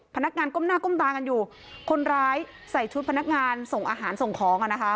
พนักงานก้มหน้าก้มตากันอยู่คนร้ายใส่ชุดพนักงานส่งอาหารส่งของอ่ะนะคะ